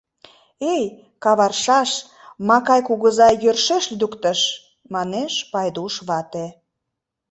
— Эй, каваршаш, Макай кугызай йӧршеш лӱдыктыш, — манеш Пайдуш вате.